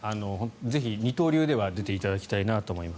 ぜひ二刀流では出ていただきたいなと思います。